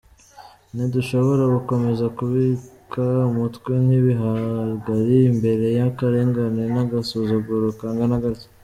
Ntidushobora gukomeza kubika umutwe nk’ibihwagari imbere y ’ akarengane n ‘ Agasuzuguro kangana gatya.